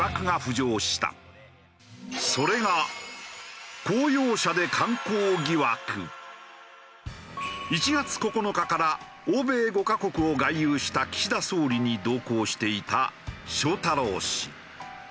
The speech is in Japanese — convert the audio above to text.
それが１月９日から欧米５カ国を外遊した岸田総理に同行していた翔太郎氏。